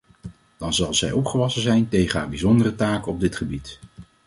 Dan zal zij opgewassen zijn tegen haar bijzondere taken op dit gebied.